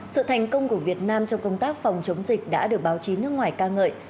sự thành công của việt nam trong công tác phòng chống dịch đã được báo chí nước ngoài ca ngợi